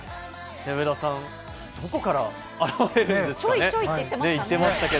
上田さん、どこから現れるんですかね。